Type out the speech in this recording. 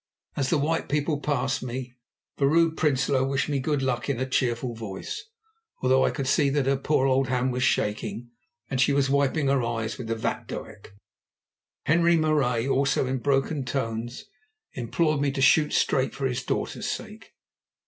As the white people passed me, Vrouw Prinsloo wished me good luck in a cheerful voice, although I could see that her poor old hand was shaking, and she was wiping her eyes with the vatdoek. Henri Marais, also in broken tones, implored me to shoot straight for his daughter's sake.